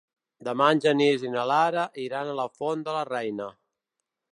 Demà en Genís i na Lara iran a la Font de la Reina.